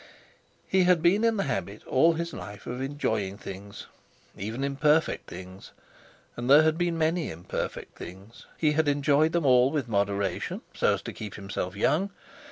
He had been in the habit all his life of enjoying things, even imperfect things—and there had been many imperfect things—he had enjoyed them all with moderation, so as to keep himself young.